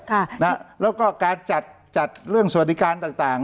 ค่ะนะแล้วก็การจัดจัดเรื่องสวัสดิการต่างต่าง